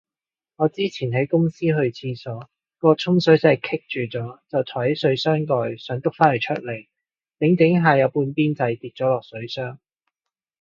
我之前喺公司去廁所，個沖水掣棘住就抬起水箱蓋想篤返佢出嚟，整整下有半邊掣跌咗落水箱